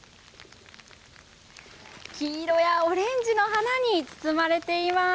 黄色やオレンジの花に包まれています。